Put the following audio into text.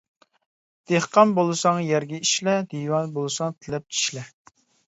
دېھقان بولساڭ يەرگە ئىشلە، دىۋانە بولساڭ تىلەپ چىشلە.